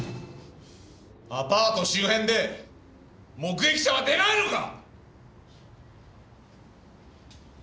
アパート周辺で目撃者は出ないのか！